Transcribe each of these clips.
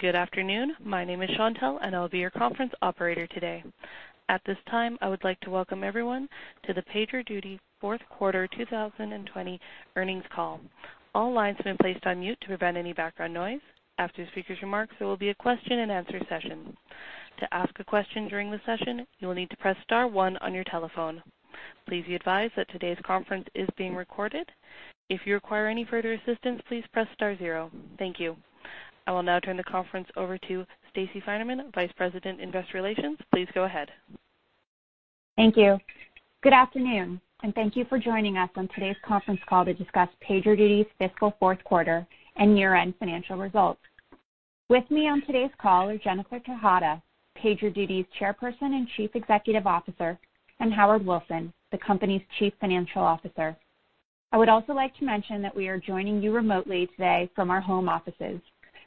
Good afternoon. My name is Chantelle, and I'll be your conference operator today. At this time, I would like to welcome everyone to the PagerDuty Fourth Quarter 2020 earnings call. All lines have been placed on mute to prevent any background noise. After the speaker's remarks, there will be a question and answer session. To ask a question during the session, you will need to press star one on your telephone. Please be advised that today's conference is being recorded. If you require any further assistance, please press star zero. Thank you. I will now turn the conference over to Stacey Finerman, Vice President, Investor Relations. Please go ahead. Thank you. Good afternoon, and thank you for joining us on today's conference call to discuss PagerDuty's fiscal fourth quarter and year-end financial results. With me on today's call are Jennifer Tejada, PagerDuty's Chairperson and Chief Executive Officer, and Howard Wilson, the company's Chief Financial Officer. I would also like to mention that we are joining you remotely today from our home offices.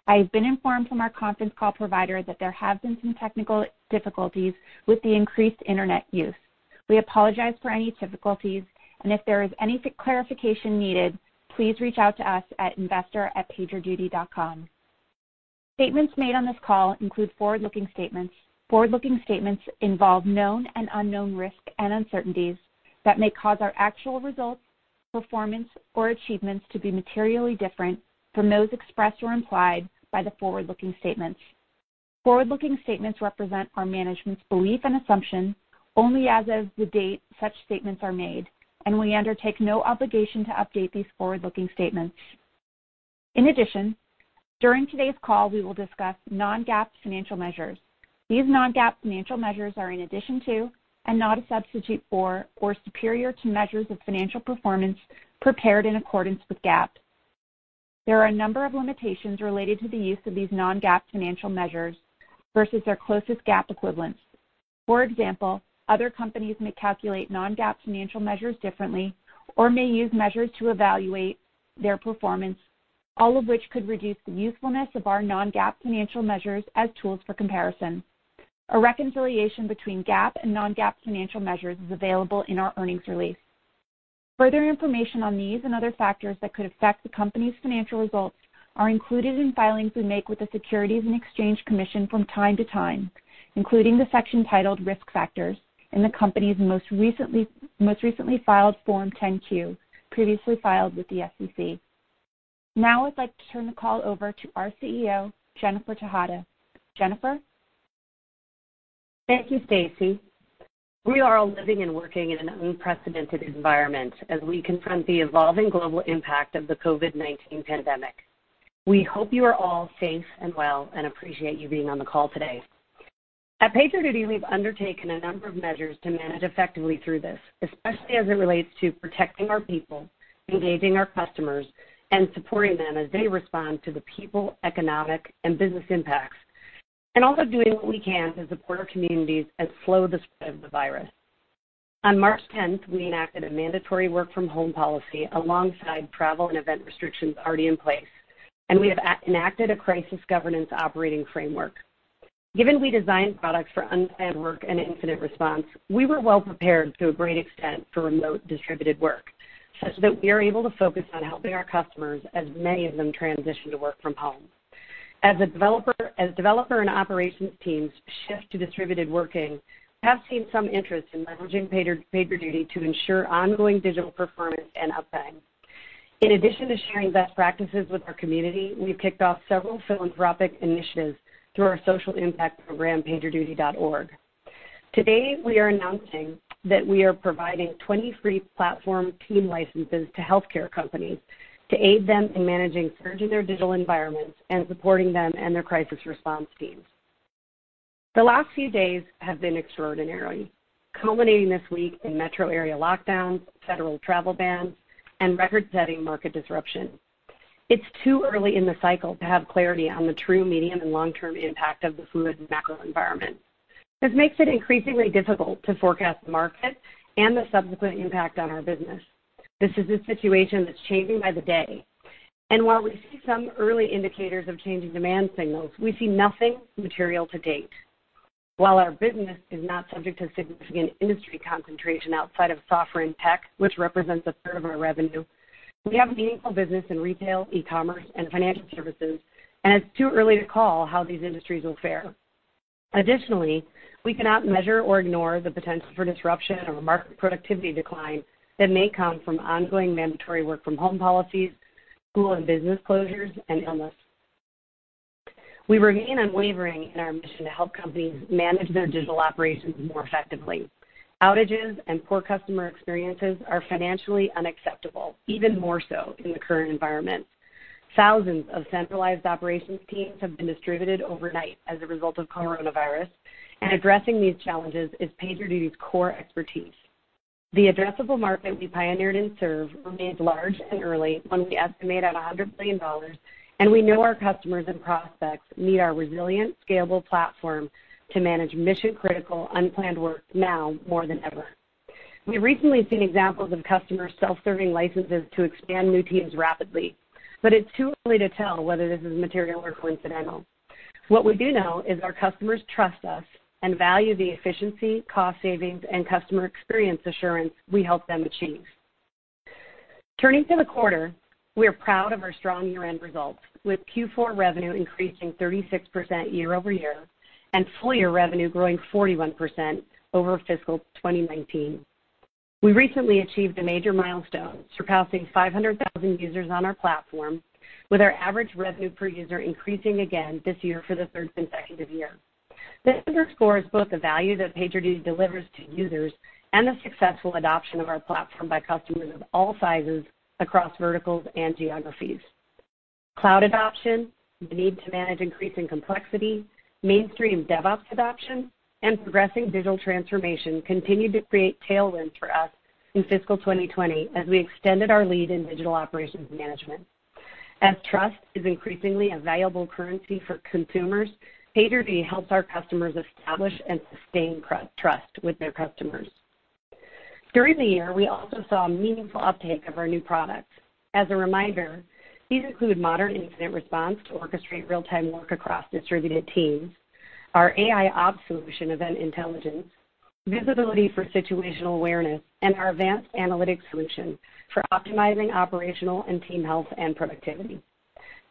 I have been informed from our conference call provider that there have been some technical difficulties with the increased internet use. We apologize for any difficulties, and if there is any clarification needed, please reach out to us at investor@pagerduty.com. Statements made on this call include forward-looking statements. Forward-looking statements involve known and unknown risks and uncertainties that may cause our actual results, performance or achievements to be materially different from those expressed or implied by the forward-looking statements. Forward-looking statements represent our management's belief and assumptions only as of the date such statements are made. We undertake no obligation to update these forward-looking statements. In addition, during today's call, we will discuss Non-GAAP financial measures. These Non-GAAP financial measures are in addition to and not a substitute for or superior to measures of financial performance prepared in accordance with GAAP. There are a number of limitations related to the use of these Non-GAAP financial measures versus their closest GAAP equivalents. For example, other companies may calculate Non-GAAP financial measures differently or may use measures to evaluate their performance, all of which could reduce the usefulness of our Non-GAAP financial measures as tools for comparison. A reconciliation between GAAP and Non-GAAP financial measures is available in our earnings release. Further information on these and other factors that could affect the company's financial results are included in filings we make with the Securities and Exchange Commission from time to time, including the section titled Risk Factors in the company's most recently filed Form 10-Q, previously filed with the SEC. I'd like to turn the call over to our CEO, Jennifer Tejada. Jennifer? Thank you, Stacey. We are all living and working in an unprecedented environment as we confront the evolving global impact of the COVID-19 pandemic. We hope you are all safe and well, and appreciate you being on the call today. At PagerDuty, we've undertaken a number of measures to manage effectively through this, especially as it relates to protecting our people, engaging our customers, and supporting them as they respond to the people, economic, and business impacts, and also doing what we can to support our communities and slow the spread of the virus. On March 10th, we enacted a mandatory work from home policy alongside travel and event restrictions already in place, and we have enacted a crisis governance operating framework. Given we designed products for unplanned work and incident response, we were well prepared to a great extent for remote distributed work, such that we are able to focus on helping our customers as many of them transition to work from home. As developer and operations teams shift to distributed working, we have seen some interest in leveraging PagerDuty to ensure ongoing digital performance and uptime. In addition to sharing best practices with our community, we've kicked off several philanthropic initiatives through our social impact program, PagerDuty.org. Today, we are announcing that we are providing 20 free platform team licenses to healthcare companies to aid them in managing surge in their digital environments and supporting them and their crisis response teams. The last few days have been extraordinary, culminating this week in metro area lockdowns, federal travel bans, and record-setting market disruption. It's too early in the cycle to have clarity on the true medium and long-term impact of the fluid macro environment. This makes it increasingly difficult to forecast the market and the subsequent impact on our business. This is a situation that's changing by the day, and while we see some early indicators of changing demand signals, we see nothing material to date. While our business is not subject to significant industry concentration outside of software and tech, which represents 1/3 of our revenue, we have a meaningful business in retail, e-commerce, and financial services, and it's too early to call how these industries will fare. Additionally, we cannot measure or ignore the potential for disruption or market productivity decline that may come from ongoing mandatory work from home policies, school and business closures, and illness. We remain unwavering in our mission to help companies manage their digital operations more effectively. Outages and poor customer experiences are financially unacceptable, even more so in the current environment. Thousands of centralized operations teams have been distributed overnight as a result of COVID-19, addressing these challenges is PagerDuty's core expertise. The addressable market we pioneered and serve remains large and early, one we estimate at $100 billion. We know our customers and prospects need our resilient, scalable platform to manage mission-critical, unplanned work now more than ever. We've recently seen examples of customers self-serving licenses to expand new teams rapidly. It's too early to tell whether this is material or coincidental. What we do know is our customers trust us and value the efficiency, cost savings, and customer experience assurance we help them achieve. Turning to the quarter, we are proud of our strong year-end results, with Q4 revenue increasing 36% year-over-year and full-year revenue growing 41% over fiscal 2019. We recently achieved a major milestone, surpassing 500,000 users on our platform, with our average revenue per user increasing again this year for the third consecutive year. This underscores both the value that PagerDuty delivers to users and the successful adoption of our platform by customers of all sizes across verticals and geographies. Cloud adoption, the need to manage increasing complexity, mainstream DevOps adoption, and progressing digital transformation continued to create tailwinds for us in fiscal 2020 as we extended our lead in digital operations management. As trust is increasingly a valuable currency for consumers, PagerDuty helps our customers establish and sustain trust with their customers. During the year, we also saw a meaningful uptake of our new products. As a reminder, these include modern incident response to orchestrate real-time work across distributed teams, our AIOps solution, Event Intelligence, visibility for situational awareness, and our analytics solution for optimizing operational and team health and productivity.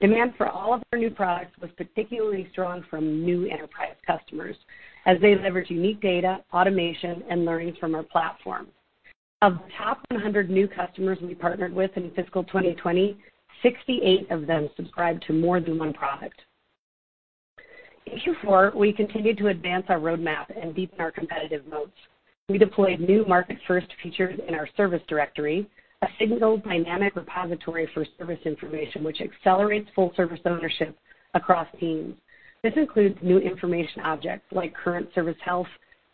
Demand for all of our new products was particularly strong from new enterprise customers as they leverage unique data, automation, and learnings from our platform. Of the top 100 new customers we partnered with in fiscal 2020, 68 of them subscribed to more than one product. In Q4, we continued to advance our roadmap and deepen our competitive moats. We deployed new market-first features in our Service Directory, a single dynamic repository for service information which accelerates full service ownership across teams. This includes new information objects like current service health,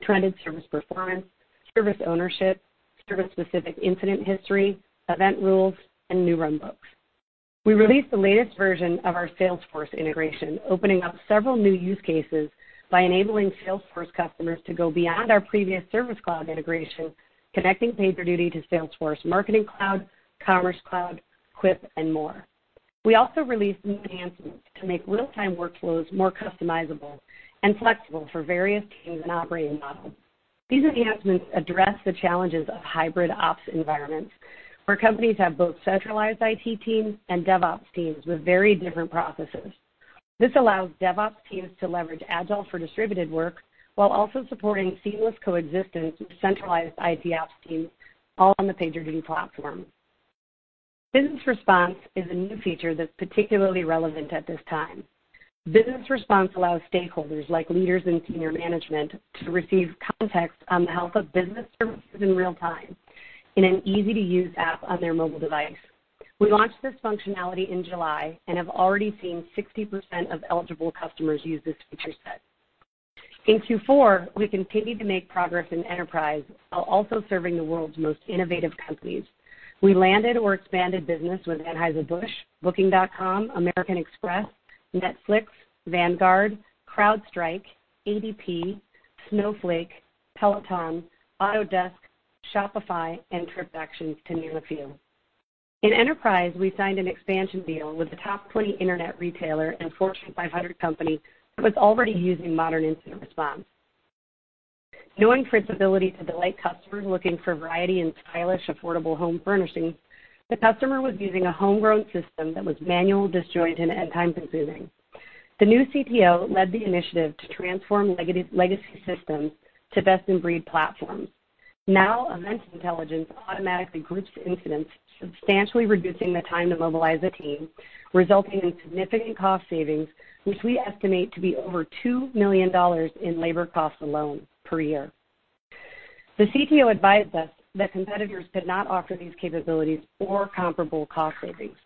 trended service performance, service ownership, service-specific incident history, event rules, and new runbooks. We released the latest version of our Salesforce integration, opening up several new use cases by enabling Salesforce customers to go beyond our previous Service Cloud integration, connecting PagerDuty to Salesforce Marketing Cloud, Commerce Cloud, Quip, and more. We also released new enhancements to make real-time workflows more customizable and flexible for various teams and operating models. These enhancements address the challenges of hybrid ops environments, where companies have both centralized IT teams and DevOps teams with very different processes. This allows DevOps teams to leverage agile for distributed work while also supporting seamless coexistence with centralized IT ops teams, all on the PagerDuty platform. Business Response is a new feature that's particularly relevant at this time. Business Response allows stakeholders, like leaders in senior management, to receive context on the health of business services in real time in an easy-to-use app on their mobile device. We launched this functionality in July and have already seen 60% of eligible customers use this feature set. In Q4, we continued to make progress in enterprise while also serving the world's most innovative companies. We landed or expanded business with Anheuser-Busch, Booking.com, American Express, Netflix, Vanguard, CrowdStrike, ADP, Snowflake, Peloton, Autodesk, Shopify, and TripActions to name a few. In enterprise, we signed an expansion deal with a top 20 internet retailer and Fortune 500 company that was already using modern incident response. Known for its ability to delight customers looking for variety in stylish, affordable home furnishings, the customer was using a homegrown system that was manual, disjointed, and time-consuming. The new CTO led the initiative to transform legacy systems to best-in-breed platforms. Now, Event Intelligence automatically groups incidents, substantially reducing the time to mobilize a team, resulting in significant cost savings, which we estimate to be over $2 million in labor costs alone per year. The CTO advised us that competitors did not offer these capabilities or comparable cost savings.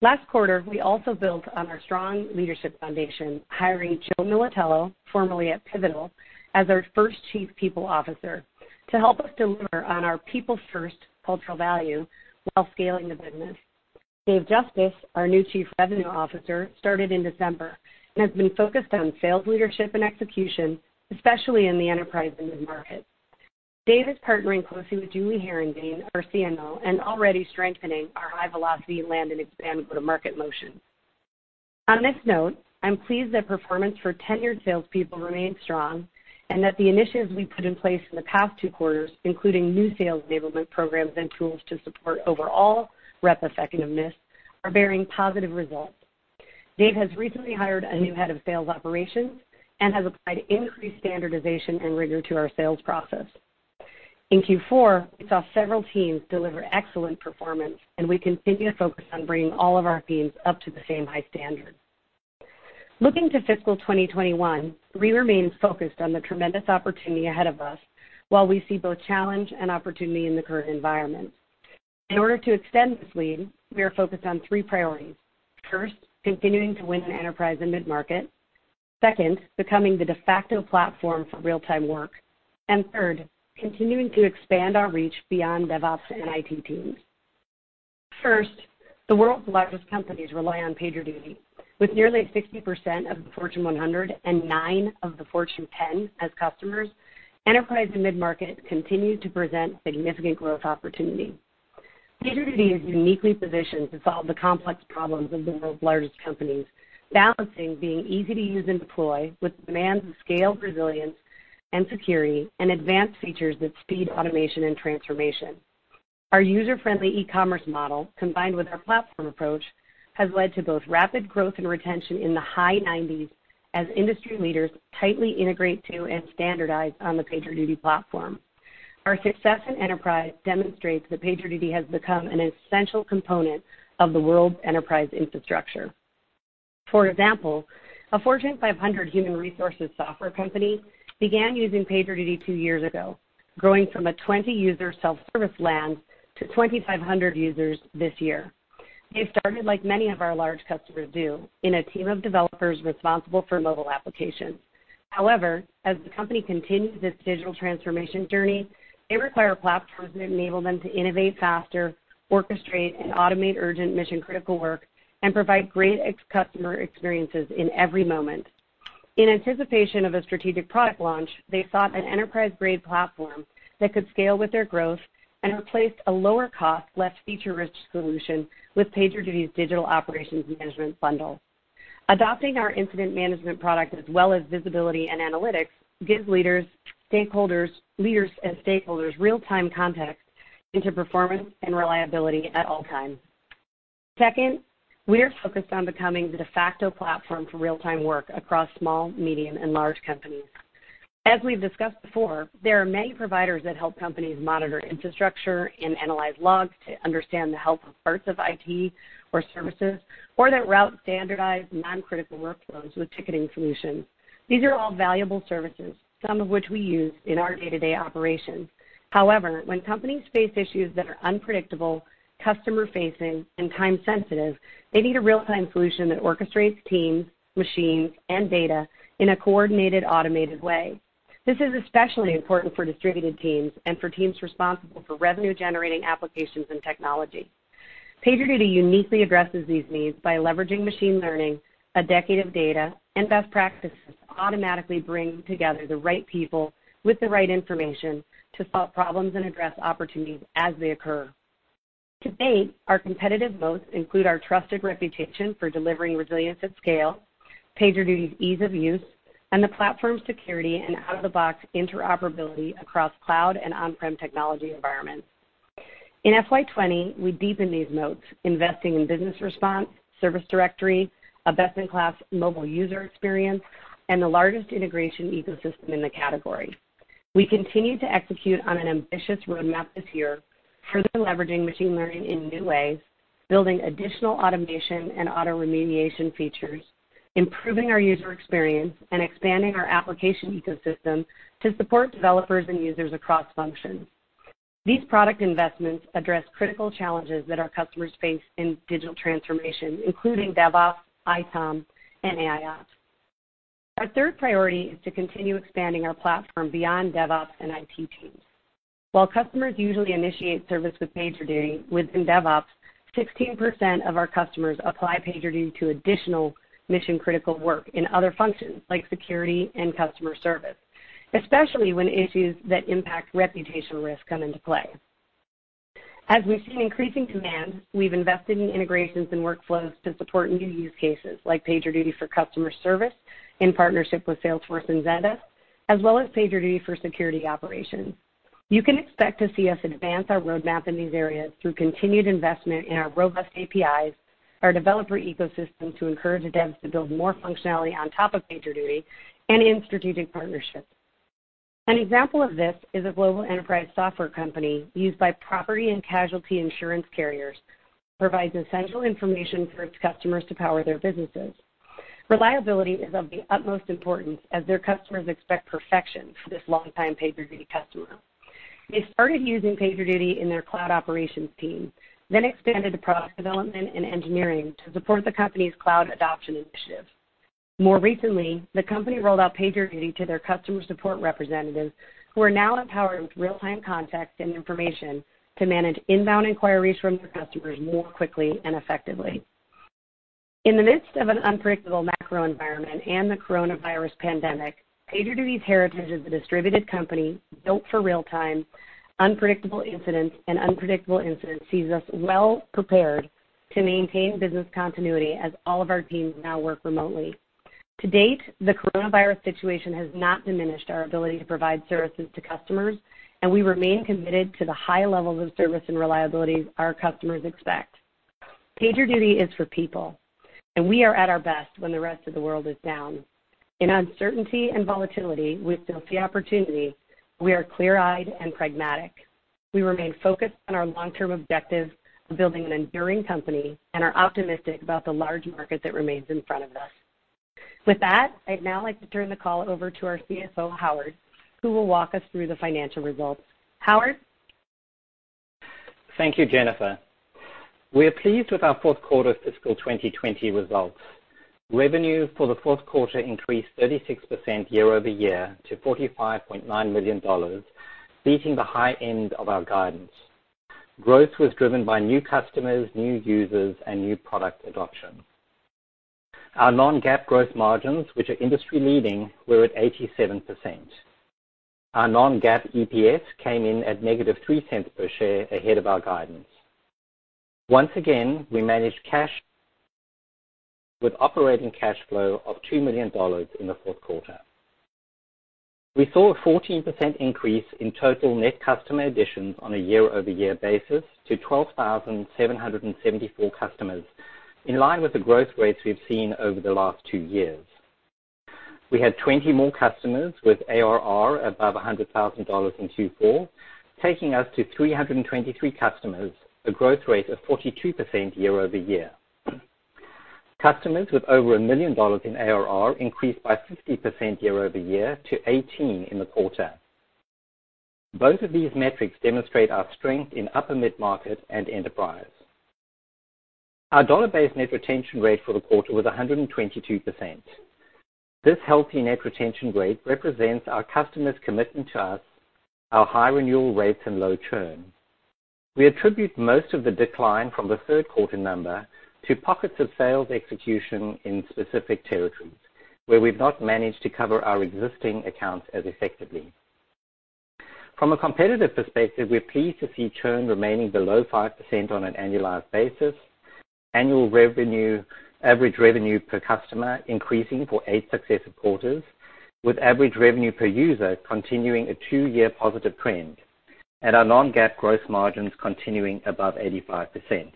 Last quarter, we also built on our strong leadership foundation, hiring Joe Militello, formerly at Pivotal, as our first Chief People Officer to help us deliver on our people-first cultural value while scaling the business. Dave Justice, our new Chief Revenue Officer, started in December and has been focused on sales leadership and execution, especially in the enterprise and mid-market. Dave is partnering closely with Julie Herendeen, our CMO, and already strengthening our high-velocity land-and-expand go-to-market motion. On this note, I'm pleased that performance for tenured salespeople remains strong and that the initiatives we put in place in the past two quarters, including new sales enablement programs and tools to support overall rep effectiveness, are bearing positive results. Dave has recently hired a new head of sales operations and has applied increased standardization and rigor to our sales process. In Q4, we saw several teams deliver excellent performance, and we continue to focus on bringing all of our teams up to the same high standard. Looking to fiscal 2021, we remain focused on the tremendous opportunity ahead of us, while we see both challenge and opportunity in the current environment. In order to extend this lead, we are focused on three priorities. First, continuing to win in enterprise and mid-market. Second, becoming the de facto platform for real-time work. Third, continuing to expand our reach beyond DevOps and IT teams. First, the world's largest companies rely on PagerDuty. With nearly 60% of the Fortune 100 and nine of the Fortune 10 as customers, enterprise and mid-market continue to present significant growth opportunity. PagerDuty is uniquely positioned to solve the complex problems of the world's largest companies, balancing being easy to use and deploy with demands of scale, resilience, and security, and advanced features that speed automation and transformation. Our user-friendly e-commerce model, combined with our platform approach, has led to both rapid growth and retention in the high 90s as industry leaders tightly integrate to and standardize on the PagerDuty platform. Our success in enterprise demonstrates that PagerDuty has become an essential component of the world's enterprise infrastructure. For example, a Fortune 500 human resources software company began using PagerDuty two years ago, growing from a 20-user self-service land to 2,500 users this year. They started like many of our large customers do, in a team of developers responsible for mobile applications. However, as the company continues its digital transformation journey, they require platforms that enable them to innovate faster, orchestrate and automate urgent mission-critical work, and provide great customer experiences in every moment. In anticipation of a strategic product launch, they sought an enterprise-grade platform that could scale with their growth and replaced a lower-cost, less feature-rich solution with PagerDuty's digital operations management bundle. Adopting our incident management product as well as visibility and analytics gives leaders and stakeholders real-time context into performance and reliability at all times. Second, we are focused on becoming the de facto platform for real-time work across small, medium, and large companies. As we've discussed before, there are many providers that help companies monitor infrastructure and analyze logs to understand the health of parts of IT or services, or that route standardized non-critical workflows with ticketing solutions. These are all valuable services, some of which we use in our day-to-day operations. However, when companies face issues that are unpredictable, customer-facing, and time-sensitive, they need a real-time solution that orchestrates teams, machines, and data in a coordinated, automated way. This is especially important for distributed teams and for teams responsible for revenue-generating applications and technology. PagerDuty uniquely addresses these needs by leveraging machine learning, a decade of data, and best practices to automatically bring together the right people with the right information to solve problems and address opportunities as they occur. To date, our competitive moats include our trusted reputation for delivering resilience at scale, PagerDuty's ease of use, and the platform's security and out-of-the-box interoperability across cloud and on-prem technology environments. In FY 2020, we deepened these moats, investing in Business Response, Service Directory, a best-in-class mobile user experience, and the largest integration ecosystem in the category. We continue to execute on an ambitious roadmap this year, further leveraging machine learning in new ways, building additional automation and auto remediation features, improving our user experience, and expanding our application ecosystem to support developers and users across functions. These product investments address critical challenges that our customers face in digital transformation, including DevOps, ITOM, and AIOps. Our third priority is to continue expanding our platform beyond DevOps and IT teams. While customers usually initiate service with PagerDuty within DevOps, 16% of our customers apply PagerDuty to additional mission-critical work in other functions like security and customer service, especially when issues that impact reputational risk come into play. As we've seen increasing demand, we've invested in integrations and workflows to support new use cases like PagerDuty for customer service in partnership with Salesforce and Zendesk, as well as PagerDuty for security operations. You can expect to see us advance our roadmap in these areas through continued investment in our robust APIs, our developer ecosystem to encourage devs to build more functionality on top of PagerDuty, and in strategic partnerships. An example of this is a global enterprise software company used by property and casualty insurance carriers provides essential information for its customers to power their businesses. Reliability is of the utmost importance as their customers expect perfection for this longtime PagerDuty customer. They started using PagerDuty in their cloud operations team, then expanded to product development and engineering to support the company's cloud adoption initiative. More recently, the company rolled out PagerDuty to their customer support representatives, who are now empowered with real-time context and information to manage inbound inquiries from their customers more quickly and effectively. In the midst of an unpredictable macro environment and the coronavirus pandemic, PagerDuty's heritage as a distributed company built for real-time, unpredictable incidents sees us well prepared to maintain business continuity as all of our teams now work remotely. To date, the coronavirus situation has not diminished our ability to provide services to customers, and we remain committed to the high levels of service and reliability our customers expect. PagerDuty is for people, and we are at our best when the rest of the world is down. In uncertainty and volatility, we still see opportunity. We are clear-eyed and pragmatic. We remain focused on our long-term objective of building an enduring company and are optimistic about the large market that remains in front of us. With that, I'd now like to turn the call over to our CFO, Howard, who will walk us through the financial results. Howard? Thank you, Jennifer. We are pleased with our fourth quarter fiscal 2020 results. Revenue for the fourth quarter increased 36% year-over-year to $45.9 million, beating the high end of our guidance. Growth was driven by new customers, new users, and new product adoption. Our Non-GAAP gross margins, which are industry-leading, were at 87%. Our Non-GAAP EPS came in at -$0.03 per share ahead of our guidance. Once again, we managed cash with operating cash flow of $2 million in the fourth quarter. We saw a 14% increase in total net customer additions on a year-over-year basis to 12,774 customers, in line with the growth rates we've seen over the last two years. We had 20 more customers with ARR above $100,000 in Q4, taking us to 323 customers, a growth rate of 42% year-over-year. Customers with over $1 million in ARR increased by 50% year-over-year to 18 in the quarter. Both of these metrics demonstrate our strength in upper mid-market and enterprise. Our dollar-based net retention rate for the quarter was 122%. This healthy net retention rate represents our customers' commitment to us, our high renewal rates and low churn. We attribute most of the decline from the third quarter number to pockets of sales execution in specific territories where we've not managed to cover our existing accounts as effectively. From a competitive perspective, we're pleased to see churn remaining below 5% on an annualized basis, annual average revenue per customer increasing for eight successive quarters, with average revenue per user continuing a two-year positive trend, and our Non-GAAP gross margins continuing above 85%.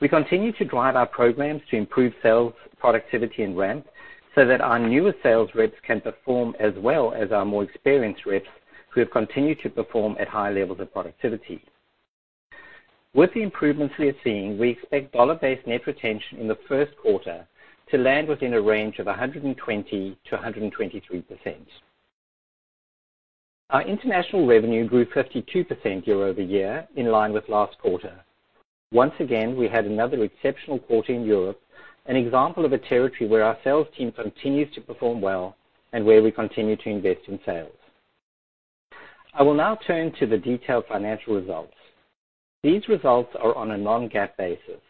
We continue to drive our programs to improve sales productivity and ramp so that our newer sales reps can perform as well as our more experienced reps who have continued to perform at high levels of productivity. With the improvements we are seeing, we expect dollar-based net retention in the first quarter to land within a range of 120%-123%. Our international revenue grew 52% year-over-year, in line with last quarter. Once again, we had another exceptional quarter in Europe, an example of a territory where our sales team continues to perform well and where we continue to invest in sales. I will now turn to the detailed financial results. These results are on a Non-GAAP basis.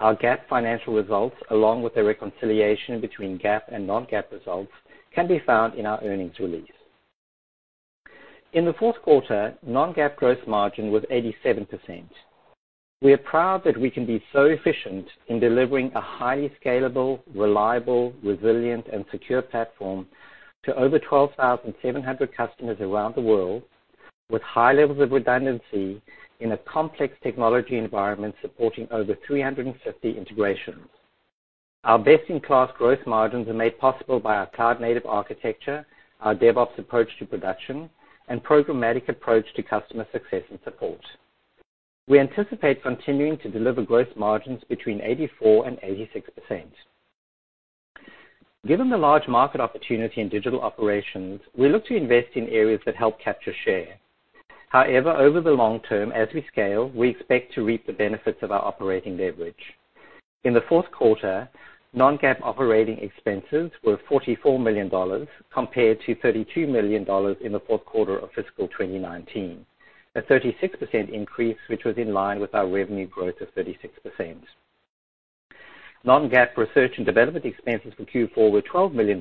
Our GAAP financial results, along with a reconciliation between GAAP and Non-GAAP results, can be found in our earnings release. In the fourth quarter, Non-GAAP gross margin was 87%. We are proud that we can be so efficient in delivering a highly scalable, reliable, resilient, and secure platform to over 12,700 customers around the world with high levels of redundancy in a complex technology environment supporting over 350 integrations. Our best-in-class gross margins are made possible by our cloud-native architecture, our DevOps approach to production, and programmatic approach to customer success and support. We anticipate continuing to deliver gross margins between 84% and 86%. Given the large market opportunity in digital operations, we look to invest in areas that help capture share. However, over the long term, as we scale, we expect to reap the benefits of our operating leverage. In the fourth quarter, Non-GAAP operating expenses were $44 million compared to $32 million in the fourth quarter of fiscal 2019, a 36% increase, which was in line with our revenue growth of 36%. Non-GAAP research and development expenses for Q4 were $12 million,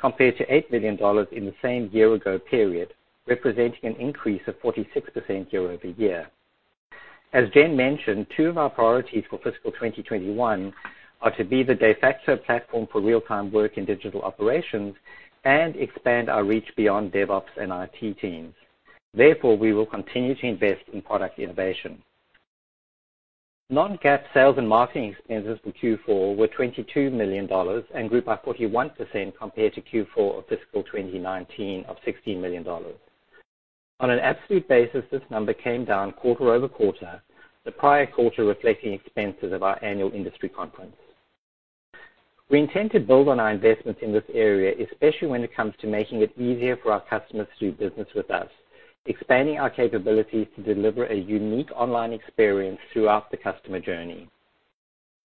compared to $8 million in the same year-ago period, representing an increase of 46% year-over-year. As Jen mentioned, two of our priorities for fiscal 2021 are to be the de facto platform for real-time work in digital operations and expand our reach beyond DevOps and IT teams. Therefore, we will continue to invest in product innovation. Non-GAAP sales and marketing expenses for Q4 were $22 million and grew by 41% compared to Q4 of fiscal 2019 of $16 million. On an absolute basis, this number came down quarter-over-quarter, the prior quarter reflecting expenses of our annual industry conference. We intend to build on our investments in this area, especially when it comes to making it easier for our customers to do business with us, expanding our capabilities to deliver a unique online experience throughout the customer journey.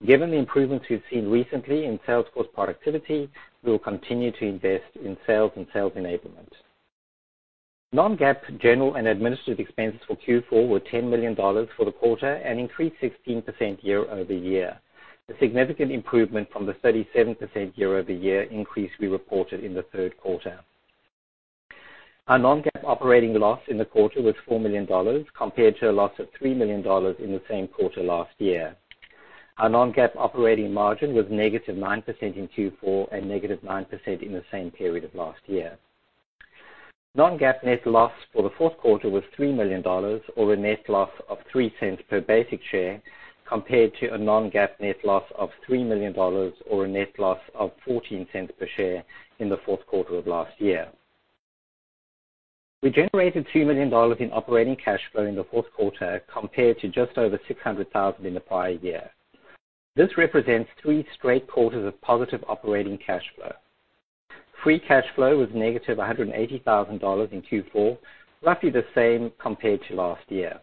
Given the improvements we've seen recently in Salesforce productivity, we will continue to invest in sales and sales enablement. Non-GAAP general and administrative expenses for Q4 were $10 million for the quarter and increased 16% year-over-year, a significant improvement from the 37% year-over-year increase we reported in the third quarter. Our Non-GAAP operating loss in the quarter was $4 million, compared to a loss of $3 million in the same quarter last year. Our Non-GAAP operating margin was negative 9% in Q4 and negative 9% in the same period of last year. Non-GAAP net loss for the fourth quarter was $3 million, or a net loss of $0.03 per basic share, compared to a Non-GAAP net loss of $3 million, or a net loss of $0.14 per share in the fourth quarter of last year. We generated $2 million in operating cash flow in the fourth quarter, compared to just over $600,000 in the prior year. This represents three straight quarters of positive operating cash flow. Free cash flow was negative $180,000 in Q4, roughly the same compared to last year.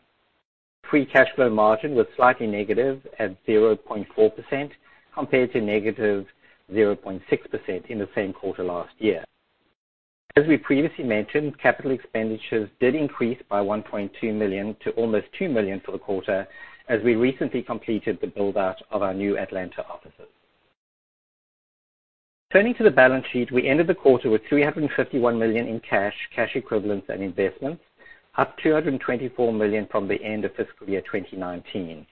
Free cash flow margin was slightly negative at 0.4% compared to negative 0.6% in the same quarter last year. As we previously mentioned, capital expenditures did increase by $1.2 million to almost $2 million for the quarter, as we recently completed the build-out of our new Atlanta offices. Turning to the balance sheet, we ended the quarter with $351 million in cash equivalents, and investments, up $224 million from the end of fiscal year 2019.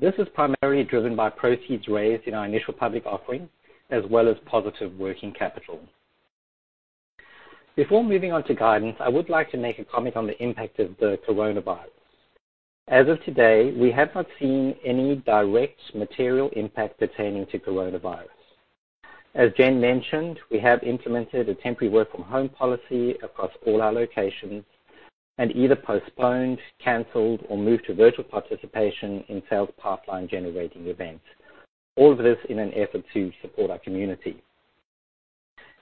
This is primarily driven by proceeds raised in our initial public offering, as well as positive working capital. Before moving on to guidance, I would like to make a comment on the impact of the Coronavirus. As of today, we have not seen any direct material impact pertaining to Coronavirus. As Jen mentioned, we have implemented a temporary work-from-home policy across all our locations and either postponed, canceled, or moved to virtual participation in sales pipeline generating events. All of this in an effort to support our community.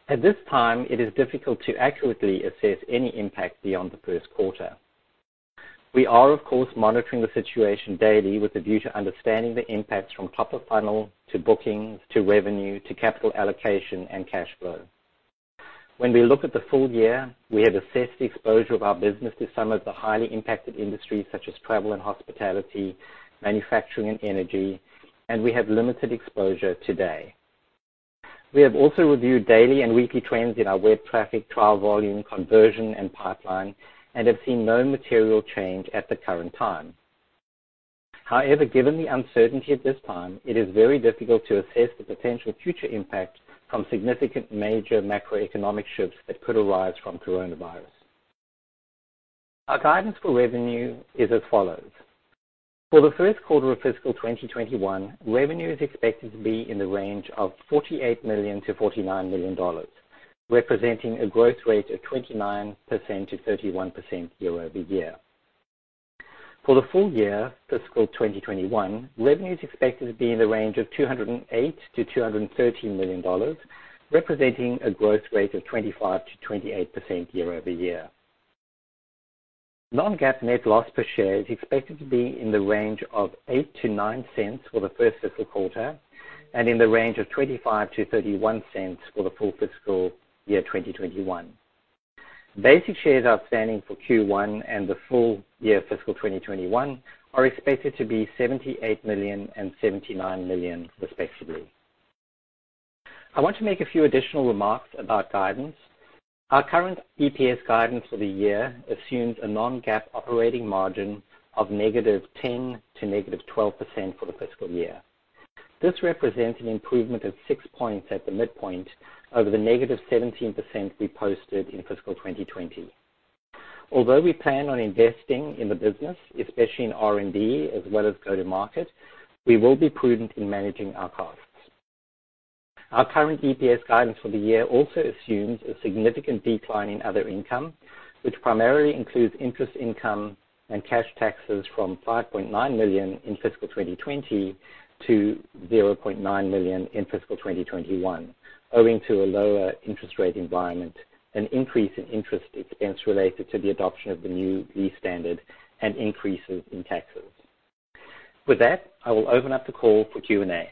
At this time, it is difficult to accurately assess any impact beyond the first quarter. We are, of course, monitoring the situation daily with a view to understanding the impacts from top of funnel to bookings, to revenue, to capital allocation and cash flow. When we look at the full year, we have assessed the exposure of our business to some of the highly impacted industries such as travel and hospitality, manufacturing and energy, and we have limited exposure today. We have also reviewed daily and weekly trends in our web traffic, trial volume, conversion, and pipeline and have seen no material change at the current time. However, given the uncertainty at this time, it is very difficult to assess the potential future impact from significant major macroeconomic shifts that could arise from coronavirus. Our guidance for revenue is as follows. For the first quarter of fiscal 2021, revenue is expected to be in the range of $48 million-$49 million, representing a growth rate of 29%-31% year-over-year. For the full year fiscal 2021, revenue is expected to be in the range of $208 million-$213 million, representing a growth rate of 25%-28% year-over-year. Non-GAAP net loss per share is expected to be in the range of $0.08-$0.09 for the first fiscal quarter and in the range of $0.25-$0.31 for the full fiscal year 2021. Basic shares outstanding for Q1 and the full year fiscal 2021 are expected to be 78 million and 79 million, respectively. I want to make a few additional remarks about guidance. Our current EPS guidance for the year assumes a Non-GAAP operating margin of -10% to -12% for the fiscal year. This represents an improvement of six points at the midpoint over the -17% we posted in fiscal 2020. Although we plan on investing in the business, especially in R&D as well as go-to-market, we will be prudent in managing our costs. Our current EPS guidance for the year also assumes a significant decline in other income, which primarily includes interest income and cash taxes from $5.9 million in FY 2020 to $0.9 million in FY 2021, owing to a lower interest rate environment, an increase in interest expense related to the adoption of the new lease standard and increases in taxes. With that, I will open up the call for Q&A.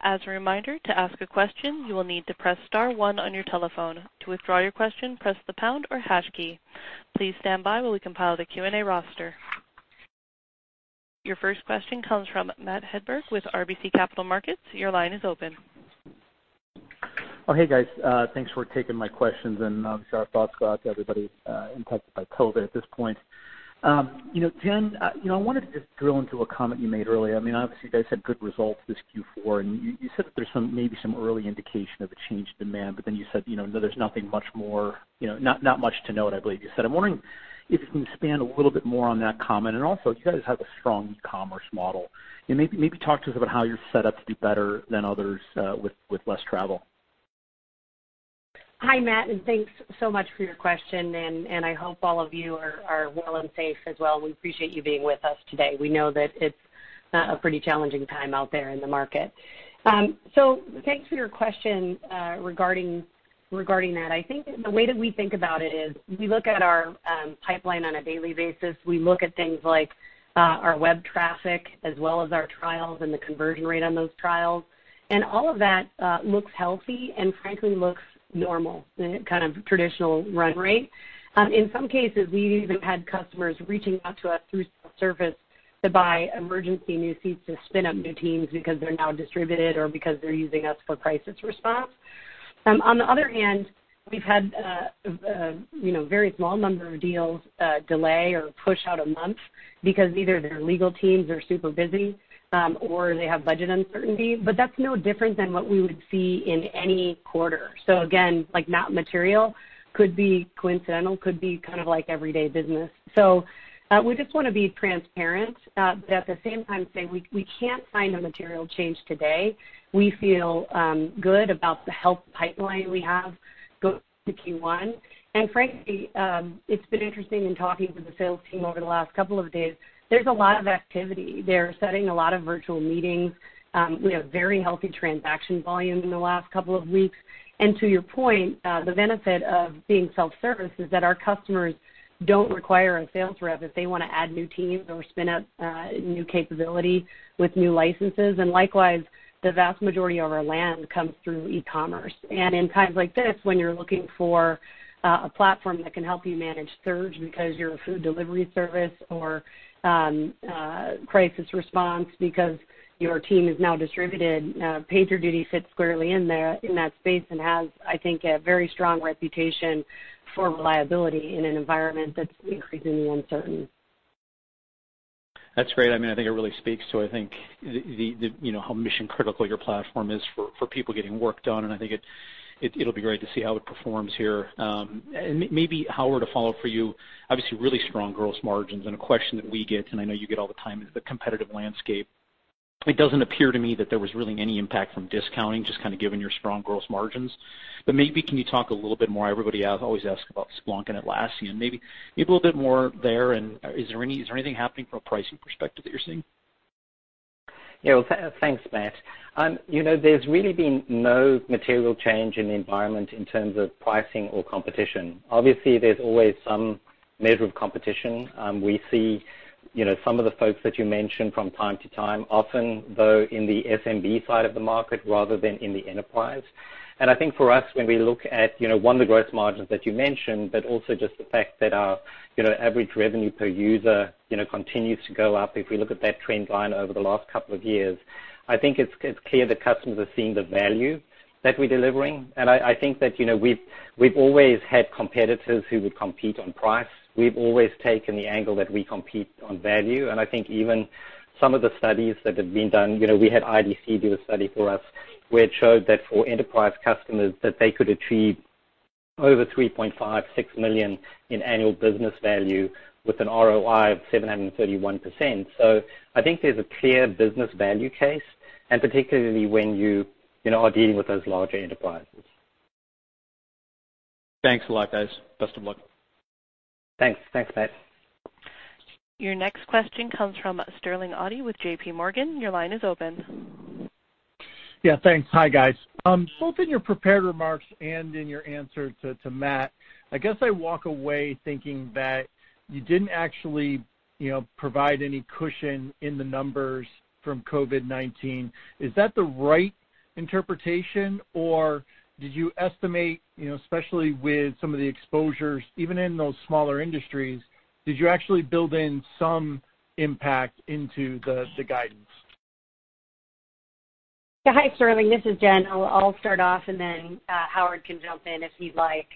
As a reminder, to ask a question, you will need to press star one on your telephone. To withdraw your question, press the pound or hash key. Please stand by while we compile the Q&A roster. Your first question comes from Matthew Hedberg with RBC Capital Markets. Your line is open. Oh, hey guys. Thanks for taking my questions. Obviously, our thoughts go out to everybody impacted by COVID at this point. Jen, I wanted to just drill into a comment you made earlier. Obviously, you guys had good results this Q4. You said that there's maybe some early indication of a change in demand. You said there's not much to note, I believe you said. I'm wondering if you can expand a little bit more on that comment. Also, you guys have a strong commerce model. Maybe talk to us about how you're set up to do better than others with less travel. Hi, Matt. Thanks so much for your question, and I hope all of you are well and safe as well. We appreciate you being with us today. We know that it's a pretty challenging time out there in the market. Thanks for your question regarding that. I think the way that we think about it is we look at our pipeline on a daily basis. We look at things like our web traffic as well as our trials and the conversion rate on those trials. All of that looks healthy and frankly looks normal in a kind of traditional run rate. In some cases, we've even had customers reaching out to us through self-service to buy emergency new seats to spin up new teams because they're now distributed or because they're using us for crisis response. We've had a very small number of deals delay or push out a month because either their legal teams are super busy or they have budget uncertainty. That's no different than what we would see in any quarter. Not material, could be coincidental, could be kind of like everyday business. We just want to be transparent, but at the same time say we can't find a material change today. We feel good about the health pipeline we have going into Q1. It's been interesting in talking to the sales team over the last couple of days. There's a lot of activity. They're setting a lot of virtual meetings. We have very healthy transaction volume in the last couple of weeks. To your point, the benefit of being self-service is that our customers don't require a sales rep if they want to add new teams or spin up new capability with new licenses. Likewise, the vast majority of our land comes through e-commerce. In times like this, when you're looking for a platform that can help you manage surge because you're a food delivery service or crisis response because your team is now distributed, PagerDuty fits squarely in that space and has, I think, a very strong reputation for reliability in an environment that's increasingly uncertain. That's great. I think it really speaks to how mission-critical your platform is for people getting work done, and I think it'll be great to see how it performs here. Maybe, Howard, a follow-up for you. Obviously, really strong gross margins and a question that we get, and I know you get all the time is the competitive landscape. It doesn't appear to me that there was really any impact from discounting, just given your strong gross margins. Maybe can you talk a little bit more? Everybody always asks about Splunk and Atlassian, maybe a little bit more there. Is there anything happening from a pricing perspective that you're seeing? Yeah. Well, thanks, Matt. There's really been no material change in the environment in terms of pricing or competition. Obviously, there's always some measure of competition. We see some of the folks that you mentioned from time to time, often, though, in the SMB side of the market rather than in the enterprise. I think for us, when we look at one of the gross margins that you mentioned, but also just the fact that our average revenue per user continues to go up, if we look at that trend line over the last couple of years, I think it's clear that customers are seeing the value that we're delivering. I think that we've always had competitors who would compete on price. We've always taken the angle that we compete on value, and I think even some of the studies that have been done, we had IDC do a study for us where it showed that for enterprise customers, that they could achieve over $3.56 million in annual business value with an ROI of 731%. I think there's a clear business value case, and particularly when you are dealing with those larger enterprises. Thanks a lot, guys. Best of luck. Thanks, Matt. Your next question comes from Sterling Auty with JP Morgan. Your line is open. Yeah, thanks. Hi, guys. Both in your prepared remarks and in your answer to Matt, I guess I walk away thinking that you didn't actually provide any cushion in the numbers from COVID-19. Is that the right interpretation, or did you estimate, especially with some of the exposures, even in those smaller industries, did you actually build in some impact into the guidance? Yeah. Hi, Sterling. This is Jen. I'll start off and then Howard can jump in if he'd like.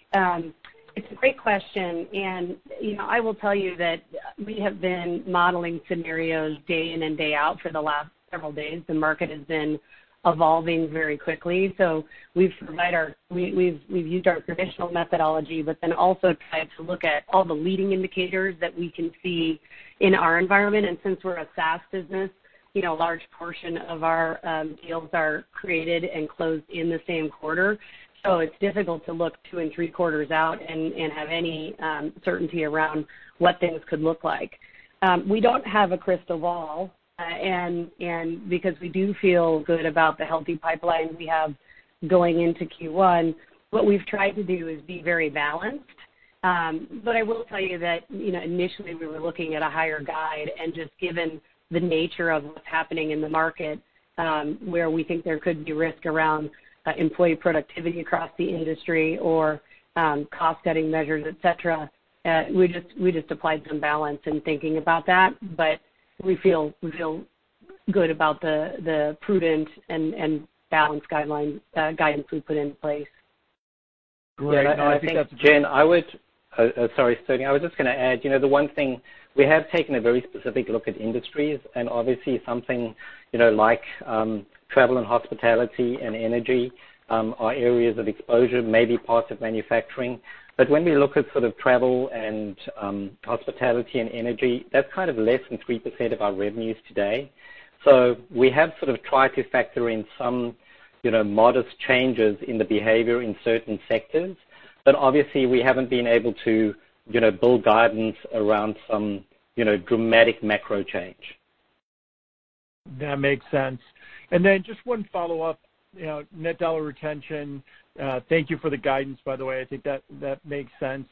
It's a great question, and I will tell you that we have been modeling scenarios day in and day out for the last several days. The market has been evolving very quickly. We've used our traditional methodology, but then also tried to look at all the leading indicators that we can see in our environment. Since we're a SaaS business, a large portion of our deals are created and closed in the same quarter. It's difficult to look two and three quarters out and have any certainty around what things could look like. We don't have a crystal ball, and because we do feel good about the healthy pipeline we have going into Q1, what we've tried to do is be very balanced. I will tell you that initially we were looking at a higher guide and just given the nature of what's happening in the market, where we think there could be risk around employee productivity across the industry or cost-cutting measures, et cetera, we just applied some balance in thinking about that. We feel good about the prudent and balanced guidance we put in place. Yeah. I think, Jen, I would, Sorry, Sterling. I was just going to add, the one thing, we have taken a very specific look at industries, and obviously something like travel and hospitality and energy are areas of exposure, maybe parts of manufacturing. When we look at sort of travel and hospitality and energy, that's kind of less than 3% of our revenues today. We have sort of tried to factor in some modest changes in the behavior in certain sectors. Obviously, we haven't been able to build guidance around some dramatic macro change. That makes sense. Just one follow-up, net dollar retention. Thank you for the guidance, by the way. I think that makes sense.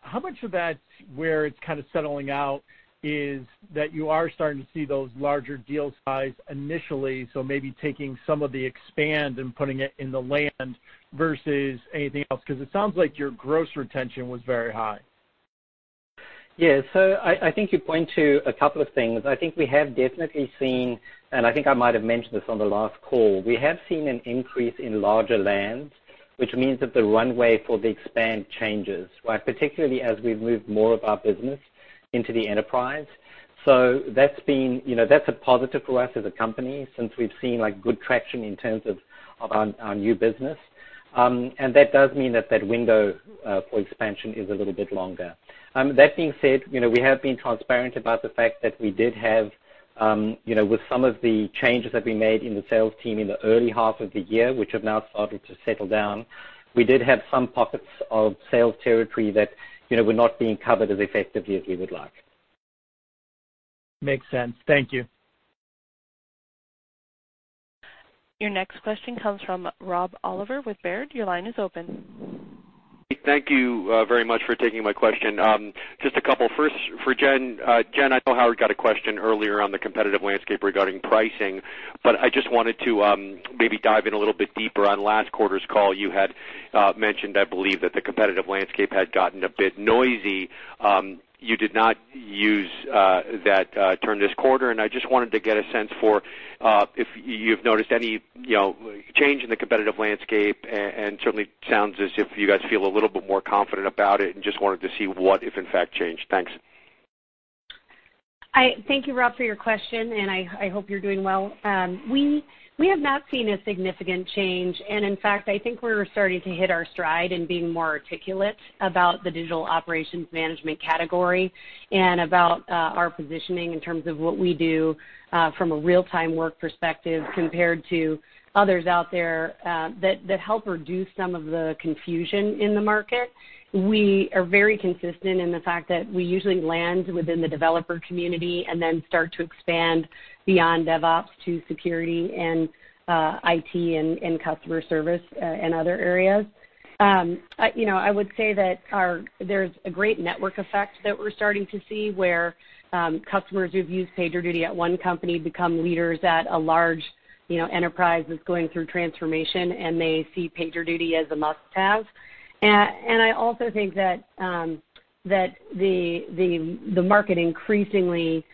How much of that where it's kind of settling out is that you are starting to see those larger deal size initially, so maybe taking some of the expand and putting it in the land versus anything else? It sounds like your gross retention was very high. Yeah. I think you point to a couple of things. I think we have definitely seen, and I think I might have mentioned this on the last call. We have seen an increase in larger lands, which means that the runway for the expand changes, particularly as we've moved more of our business into the enterprise. That's a positive for us as a company since we've seen good traction in terms of our new business. That does mean that window for expansion is a little bit longer. That being said, we have been transparent about the fact that we did have with some of the changes that we made in the sales team in the early half of the year, which have now started to settle down, we did have some pockets of sales territory that were not being covered as effectively as we would like. Makes sense. Thank you. Your next question comes from Rob Oliver with Baird. Your line is open. Thank you very much for taking my question. Just a couple. First for Jen. Jen, I know Howard got a question earlier on the competitive landscape regarding pricing, but I just wanted to maybe dive in a little bit deeper. On last quarter's call, you had mentioned, I believe, that the competitive landscape had gotten a bit noisy. You did not use that term this quarter, and I just wanted to get a sense for if you've noticed any change in the competitive landscape, and certainly sounds as if you guys feel a little bit more confident about it, and just wanted to see what, if in fact, changed. Thanks. Thank you, Rob, for your question, and I hope you're doing well. We have not seen a significant change. In fact, I think we're starting to hit our stride in being more articulate about the digital operations management category and about our positioning in terms of what we do from a real-time work perspective compared to others out there that help reduce some of the confusion in the market. We are very consistent in the fact that we usually land within the developer community and then start to expand beyond DevOps to security and IT and customer service and other areas. I would say that there's a great network effect that we're starting to see where customers who've used PagerDuty at one company become leaders at a large enterprise that's going through transformation, and they see PagerDuty as a must-have. I also think that the market increasingly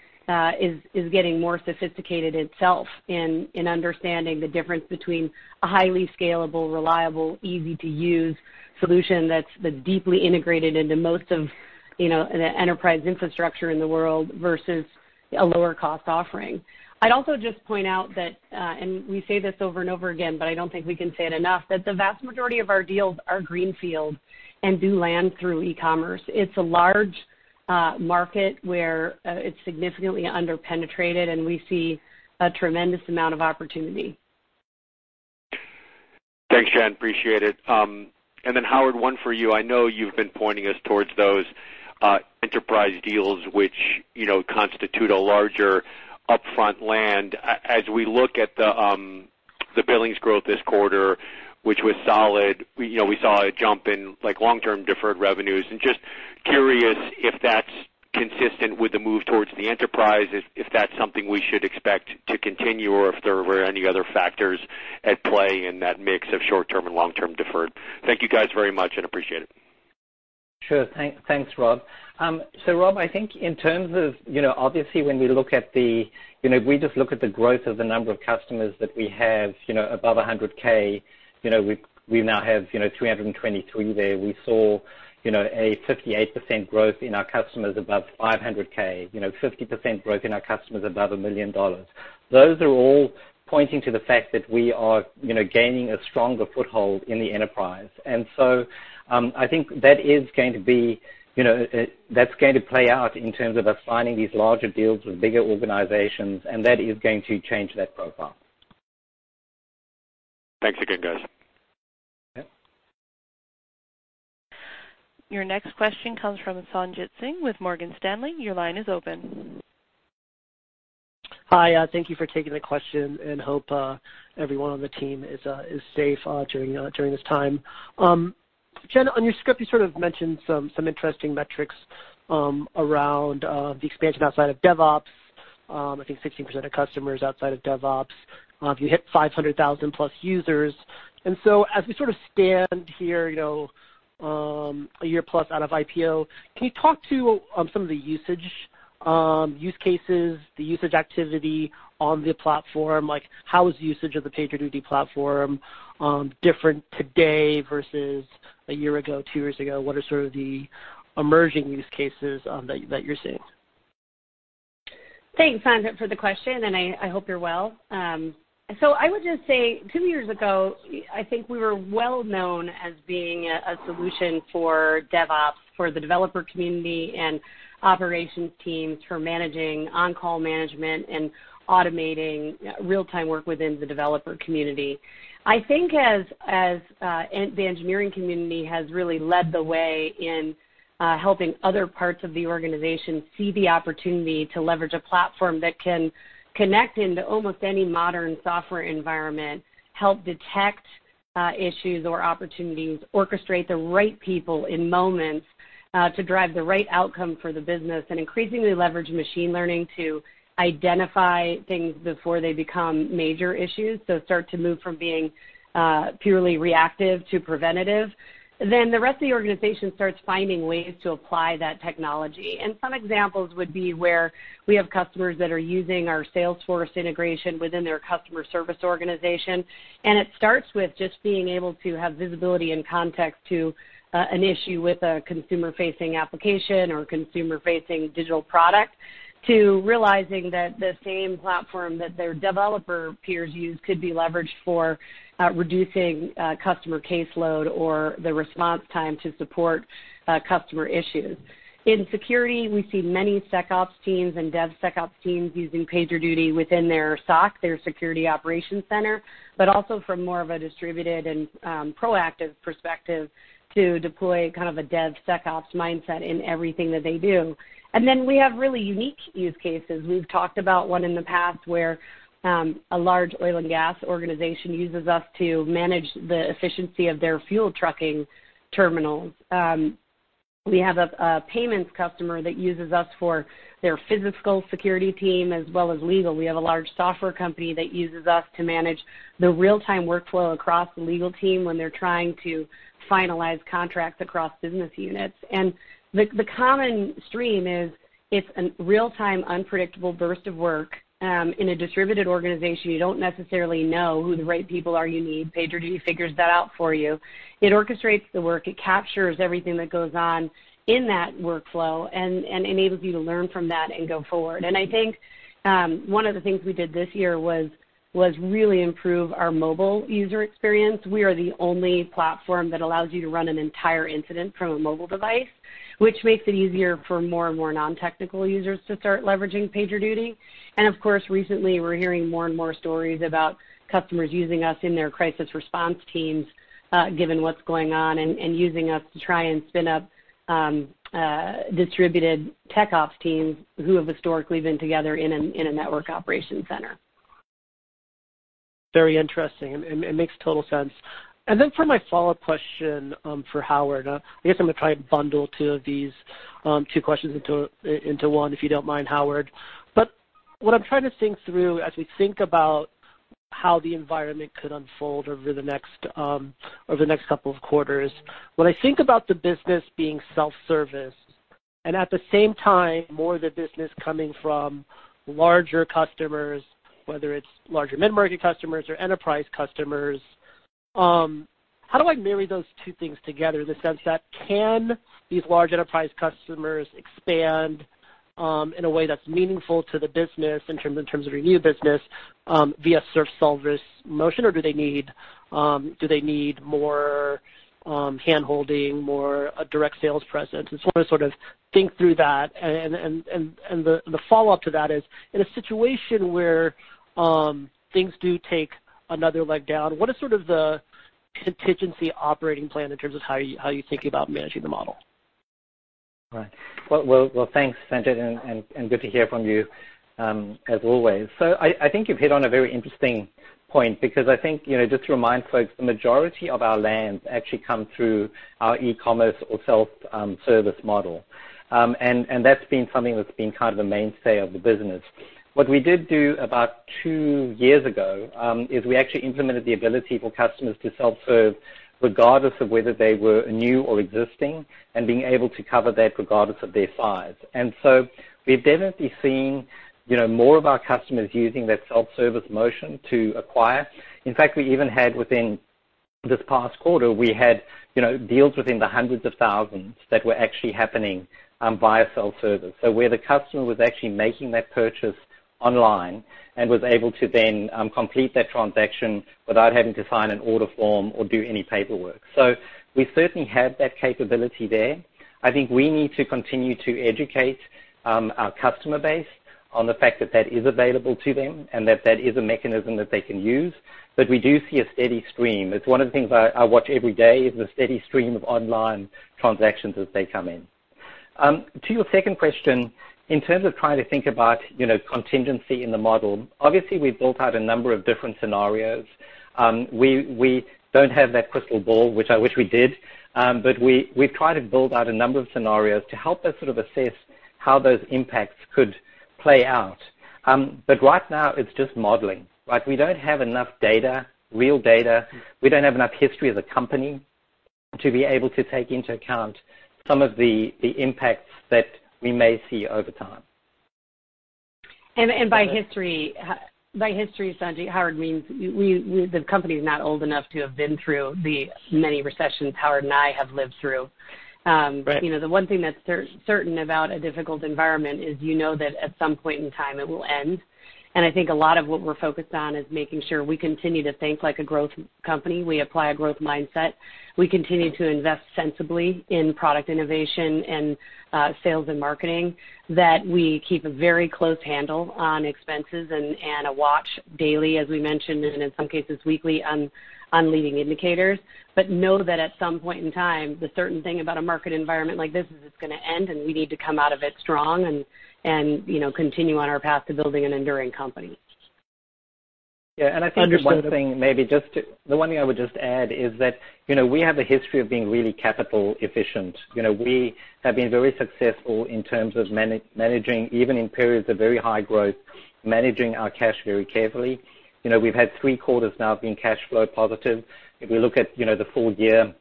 is getting more sophisticated itself in understanding the difference between a highly scalable, reliable, easy-to-use solution that's deeply integrated into most of the enterprise infrastructure in the world versus a lower-cost offering. I'd also just point out that, and we say this over and over again, but I don't think we can say it enough, that the vast majority of our deals are greenfield and do land through e-commerce. It's a large market where it's significantly under-penetrated, and we see a tremendous amount of opportunity. Thanks, Jen. Appreciate it. Howard, one for you. I know you've been pointing us towards those enterprise deals, which constitute a larger upfront land. As we look at the billings growth this quarter, which was solid, we saw a jump in long-term deferred revenues, and just curious if that's consistent with the move towards the enterprise, if that's something we should expect to continue, or if there were any other factors at play in that mix of short-term and long-term deferred. Thank you guys very much and appreciate it. Sure. Thanks, Rob. Rob, I think in terms of, obviously when we just look at the growth of the number of customers that we have above 100K, we now have 323 there. We saw a 58% growth in our customers above 500K, 50% growth in our customers above $1 million. Those are all pointing to the fact that we are gaining a stronger foothold in the enterprise. I think that's going to play out in terms of us signing these larger deals with bigger organizations, and that is going to change that profile. Thanks again, guys. Yep. Your next question comes from Sanjit Singh with Morgan Stanley. Your line is open. Hi. Thank you for taking the question, and hope everyone on the team is safe during this time. Jen, on your script, you sort of mentioned some interesting metrics around the expansion outside of DevOps. I think 16% of customers outside of DevOps. You hit 500,000+ users. As we sort of stand here a year plus out of IPO, can you talk to some of the use cases, the usage activity on the PagerDuty platform? How is usage of the PagerDuty platform different today versus a year ago, two years ago? What are sort of the emerging use cases that you're seeing? Thanks, Sanjit, for the question, and I hope you're well. I would just say two years ago, I think we were well-known as being a solution for DevOps, for the developer community and operations teams for managing on-call management and automating real-time work within the developer community. I think as the engineering community has really led the way in helping other parts of the organization see the opportunity to leverage a platform that can connect into almost any modern software environment, help detect issues or opportunities, orchestrate the right people in moments to drive the right outcome for the business, and increasingly leverage machine learning to identify things before they become major issues, so start to move from being purely reactive to preventative, then the rest of the organization starts finding ways to apply that technology. Some examples would be where we have customers that are using our Salesforce integration within their customer service organization. It starts with just being able to have visibility and context to an issue with a consumer-facing application or consumer-facing digital product to realizing that the same platform that their developer peers use could be leveraged for reducing customer caseload or the response time to support customer issues. In security, we see many SecOps teams and DevSecOps teams using PagerDuty within their SOC, their security operations center, but also from more of a distributed and proactive perspective to deploy kind of a DevSecOps mindset in everything that they do. Then we have really unique use cases. We've talked about one in the past where a large oil and gas organization uses us to manage the efficiency of their fuel trucking terminals. We have a payments customer that uses us for their physical security team as well as legal. We have a large software company that uses us to manage the real-time workflow across the legal team when they're trying to finalize contracts across business units. The common stream is it's a real-time unpredictable burst of work, in a distributed organization, you don't necessarily know who the right people are you need. PagerDuty figures that out for you. It orchestrates the work, it captures everything that goes on in that workflow and enables you to learn from that and go forward. I think one of the things we did this year was really improve our mobile user experience. We are the only platform that allows you to run an entire incident from a mobile device, which makes it easier for more and more non-technical users to start leveraging PagerDuty. Of course, recently, we're hearing more and more stories about customers using us in their crisis response teams, given what's going on, and using us to try and spin up distributed tech ops teams who have historically been together in a network operations center. Very interesting, and it makes total sense. Then for my follow-up question for Howard, I guess I'm gonna try and bundle two of these two questions into one, if you don't mind, Howard. What I'm trying to think through as we think about how the environment could unfold over the next couple of quarters, when I think about the business being self-service and at the same time, more of the business coming from larger customers, whether it's larger mid-market customers or enterprise customers, how do I marry those two things together in the sense that can these large enterprise customers expand in a way that's meaningful to the business in terms of revenue business via self-service motion or do they need more hand-holding, more direct sales presence? I just want to sort of think through that. The follow-up to that is, in a situation where things do take another leg down, what is sort of the contingency operating plan in terms of how you think about managing the model? Well, thanks, Sanjit, and good to hear from you, as always. I think you've hit on a very interesting point because I think just to remind folks, the majority of our lands actually come through our e-commerce or self-service model. That's been something that's been kind of the mainstay of the business. What we did do about two years ago, is we actually implemented the ability for customers to self-serve regardless of whether they were new or existing, and being able to cover that regardless of their size. We've definitely seen more of our customers using that self-service motion to acquire. In fact, we even had within this past quarter, we had deals within the hundreds of thousands that were actually happening via self-service. Where the customer was actually making that purchase online and was able to then complete that transaction without having to sign an order form or do any paperwork. We certainly have that capability there. I think we need to continue to educate our customer base on the fact that that is available to them and that that is a mechanism that they can use. We do see a steady stream. It's one of the things I watch every day is the steady stream of online transactions as they come in. To your second question, in terms of trying to think about contingency in the model, obviously, we've built out a number of different scenarios. We don't have that crystal ball, which I wish we did, but we've tried to build out a number of scenarios to help us sort of assess how those impacts could play out. Right now it's just modeling. We don't have enough data, real data. We don't have enough history as a company to be able to take into account some of the impacts that we may see over time. By history, Sanjit, Howard means the company's not old enough to have been through the many recessions Howard and I have lived through. Right. The one thing that's certain about a difficult environment is you know that at some point in time it will end. I think a lot of what we're focused on is making sure we continue to think like a growth company. We apply a growth mindset. We continue to invest sensibly in product innovation and sales and marketing, that we keep a very close handle on expenses and a watch daily, as we mentioned, and in some cases weekly on leading indicators. Know that at some point in time, the certain thing about a market environment like this is it's gonna end and we need to come out of it strong and continue on our path to building an enduring company. Yeah. Understood. One thing I would just add is that we have a history of being really capital efficient. We have been very successful in terms of managing even in periods of very high growth, managing our cash very carefully. We've had three quarters now of being cash flow positive. If we look at the full year,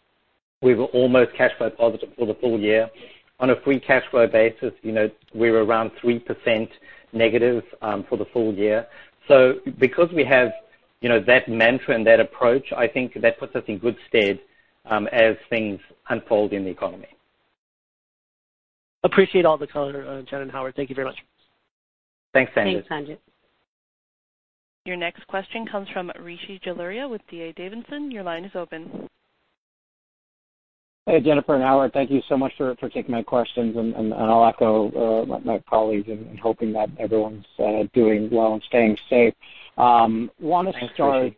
we were almost cash flow positive for the full year. On a free cash flow basis, we're around 3% negative for the full year. Because we have that mantra and that approach, I think that puts us in good stead as things unfold in the economy. Appreciate all the color, Jen and Howard. Thank you very much. Thanks, Sanjit. Thanks, Sanjit. Your next question comes from Rishi Jaluria with D.A. Davidson. Your line is open. Hey, Jennifer and Howard. Thank you so much for taking my questions, and I'll echo my colleagues in hoping that everyone's doing well and staying safe. Thanks, Rishi. Want to start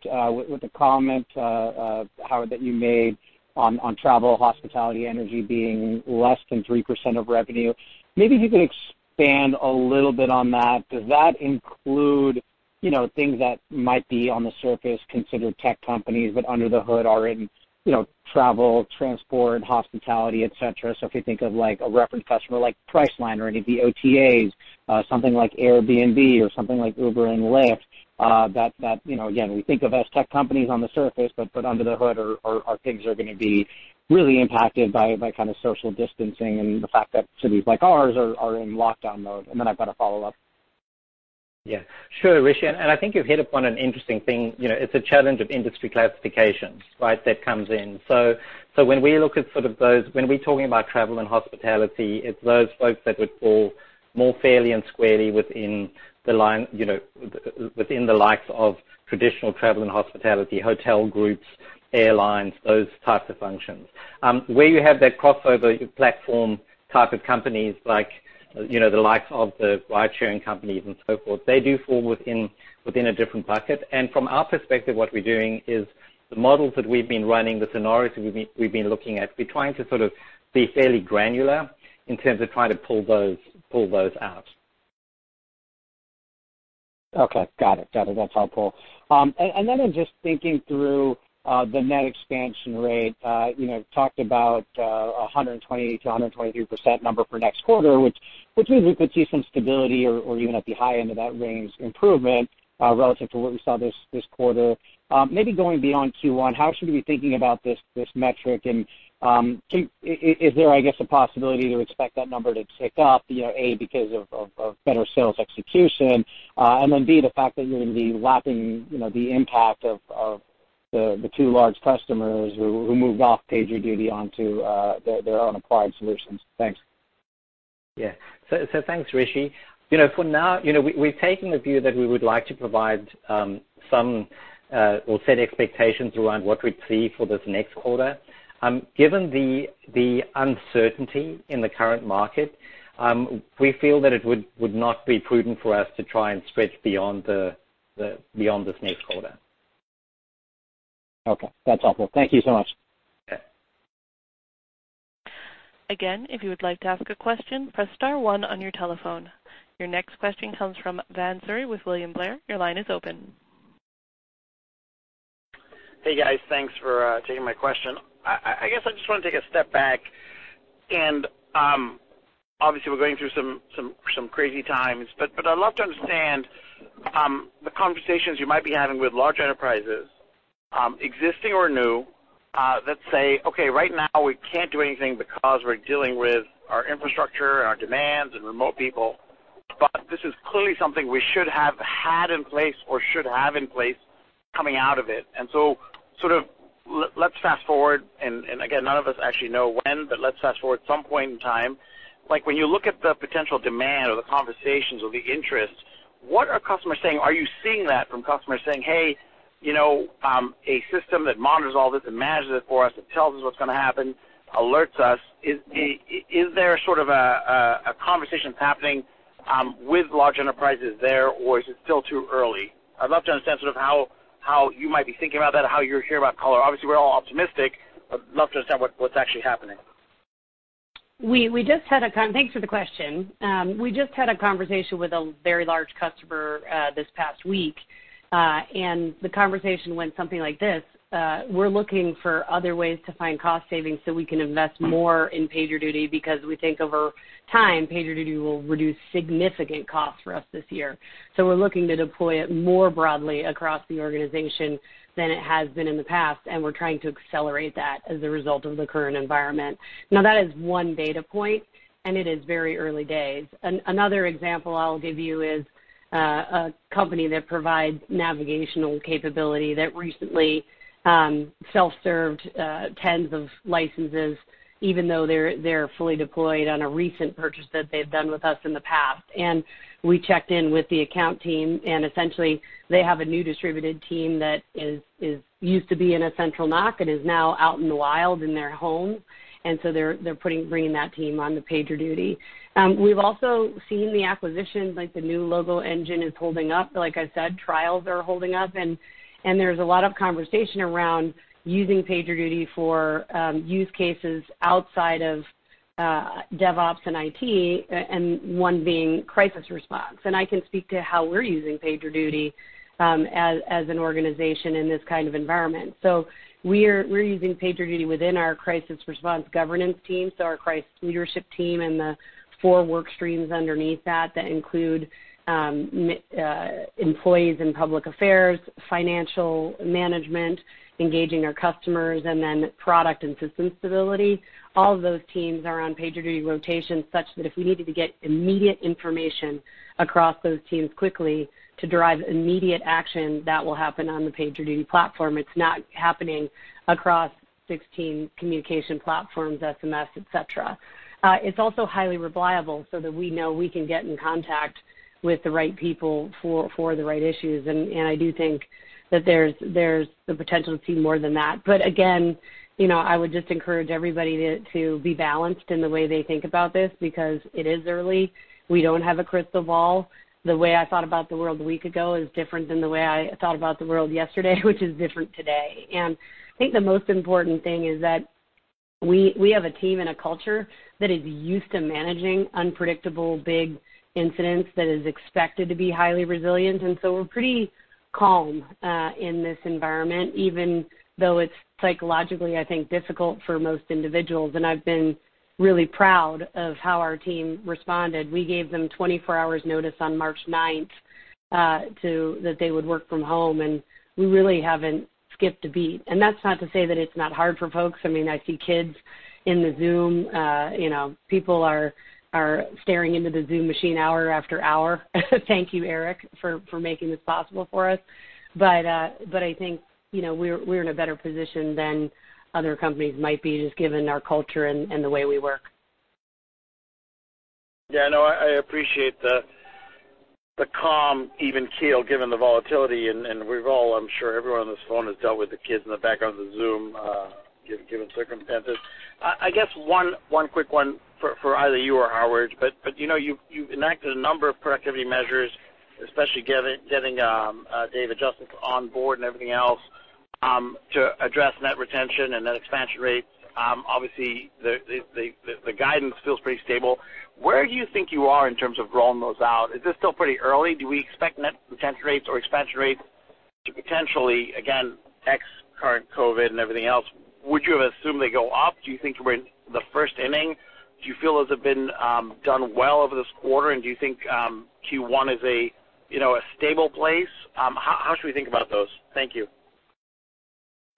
with a comment, Howard, that you made on travel, hospitality, energy being less than 3% of revenue. Maybe if you could expand a little bit on that. Does that include things that might be on the surface considered tech companies, but under the hood are in travel, transport, hospitality, et cetera. If you think of a reference customer like Priceline or any of the OTAs, something like Airbnb or something like Uber and Lyft, that again, we think of as tech companies on the surface, but under the hood are things that are going to be really impacted by social distancing and the fact that cities like ours are in lockdown mode. I've got a follow-up. Yeah. Sure, Rishi, I think you've hit upon an interesting thing. It's a challenge of industry classifications that comes in. When we're talking about travel and hospitality, it's those folks that would fall more fairly and squarely within the likes of traditional travel and hospitality, hotel groups, airlines, those types of functions. Where you have that crossover platform type of companies like the likes of the ridesharing companies and so forth, they do fall within a different bucket. From our perspective, what we're doing is the models that we've been running, the scenarios that we've been looking at, we're trying to be fairly granular in terms of trying to pull those out. Okay. Got it. That's helpful. In just thinking through the net expansion rate, talked about 120%-123% number for next quarter, which means we could see some stability or even at the high end of that range, improvement, relative to what we saw this quarter. Going beyond Q1, how should we be thinking about this metric, and is there, I guess, a possibility to expect that number to tick up, A, because of better sales execution, and then B, the fact that you're going to be lapping the impact of the two large customers who moved off PagerDuty onto their own acquired solutions? Thanks. Thanks, Rishi. For now, we've taken a view that we would like to provide some, or set expectations around what we'd see for this next quarter. Given the uncertainty in the current market, we feel that it would not be prudent for us to try and stretch beyond this next quarter. Okay. That's helpful. Thank you so much. Okay. Again, if you would like to ask a question, press *1 on your telephone. Your next question comes from Bhavan Suri with William Blair. Your line is open. Hey, guys. Thanks for taking my question. I guess I just want to take a step back, and obviously we're going through some crazy times, but I'd love to understand the conversations you might be having with large enterprises, existing or new, that say, "Okay, right now we can't do anything because we're dealing with our infrastructure and our demands and remote people, but this is clearly something we should have had in place or should have in place coming out of it." Let's fast-forward, and again, none of us actually know when, but let's fast-forward some point in time. When you look at the potential demand or the conversations or the interest, what are customers saying? Are you seeing that from customers saying, "Hey, a system that monitors all this and manages it for us and tells us what's going to happen, alerts us."? Is there a conversation that's happening with large enterprises there, or is it still too early? I'd love to understand sort of how you might be thinking about that, how you hear about color. Obviously, we're all optimistic, but love to understand what's actually happening. Thanks for the question. We just had a conversation with a very large customer this past week, and the conversation went something like this: "We're looking for other ways to find cost savings so we can invest more in PagerDuty because we think over time, PagerDuty will reduce significant costs for us this year. We're looking to deploy it more broadly across the organization than it has been in the past, and we're trying to accelerate that as a result of the current environment." That is one data point, and it is very early days. Another example I'll give you is a company that provides navigational capability that recently self-served tens of licenses, even though they're fully deployed on a recent purchase that they've done with us in the past. We checked in with the account team, and essentially they have a new distributed team that used to be in a central NOC and is now out in the wild in their home, and so they're bringing that team onto PagerDuty. We've also seen the acquisitions, like the new logo engine is holding up. Like I said, trials are holding up, and there's a lot of conversation around using PagerDuty for use cases outside of DevOps and IT, and one being crisis response. I can speak to how we're using PagerDuty as an organization in this kind of environment. We're using PagerDuty within our crisis response governance team, so our crisis leadership team and the four work streams underneath that include employees in public affairs, financial management, engaging our customers, and then product and system stability. All of those teams are on PagerDuty rotation, such that if we needed to get immediate information across those teams quickly to derive immediate action, that will happen on the PagerDuty platform. It's not happening across 16 communication platforms, SMS, et cetera. It's also highly reliable so that we know we can get in contact with the right people for the right issues, and I do think that there's the potential to see more than that. Again, I would just encourage everybody to be balanced in the way they think about this because it is early. We don't have a crystal ball. The way I thought about the world a week ago is different than the way I thought about the world yesterday which is different today. I think the most important thing is We have a team and a culture that is used to managing unpredictable, big incidents that is expected to be highly resilient. We're pretty calm in this environment, even though it's psychologically, I think, difficult for most individuals. I've been really proud of how our team responded. We gave them 24 hours notice on March 9th, that they would work from home, and we really haven't skipped a beat. That's not to say that it's not hard for folks. I see kids in the Zoom. People are staring into the Zoom machine hour after hour. Thank you, Eric, for making this possible for us. I think we're in a better position than other companies might be, just given our culture and the way we work. No, I appreciate the calm, even keel, given the volatility, and we've all, I'm sure everyone on this phone has dealt with the kids in the background of the Zoom, given circumstances. I guess one quick one for either you or Howard. You've enacted a number of productivity measures, especially getting Dave Justice on board and everything else, to address net retention and net expansion rates. Obviously, the guidance feels pretty stable. Where do you think you are in terms of rolling those out? Is this still pretty early? Do we expect net retention rates or expansion rates to potentially, again, X current COVID-19 and everything else, would you assume they go up? Do you think we're in the first inning? Do you feel those have been done well over this quarter, and do you think Q1 is a stable place? How should we think about those? Thank you.